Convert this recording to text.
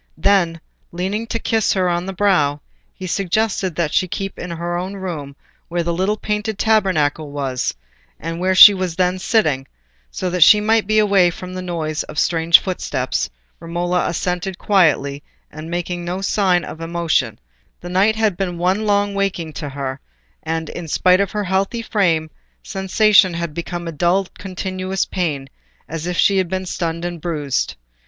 Then, leaning to kiss her on the brow, he suggested that she should keep in her own room where the little painted tabernacle was, and where she was then sitting, so that she might be away from the noise of strange footsteps, Romola assented quietly, making no sign of emotion: the night had been one long waking to her, and, in spite of her healthy frame, sensation had become a dull continuous pain, as if she had been stunned and bruised.